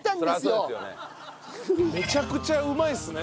めちゃくちゃうまいっすね。